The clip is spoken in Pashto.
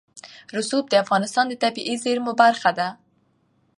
رسوب د افغانستان د طبیعي زیرمو برخه ده.